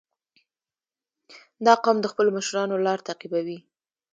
• دا قوم د خپلو مشرانو لار تعقیبوي.